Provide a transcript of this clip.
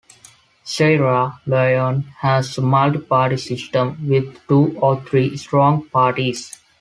Sierra Leone has a multi-party system, with two or three strong parties.